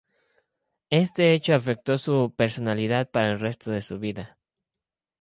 Este hecho afectó su personalidad para el resto de su vida.